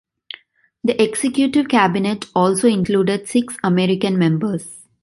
The Executive Cabinet also included six American members.